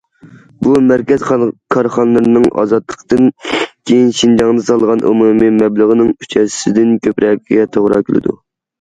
بۇ، مەركەز كارخانىلىرىنىڭ ئازادلىقتىن كېيىن شىنجاڭدا سالغان ئومۇمىي مەبلىغىنىڭ ئۈچ ھەسسىسىدىن كۆپرەكىگە توغرا كېلىدۇ.